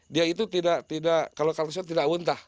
dia itu tidak kalau saya tidak untah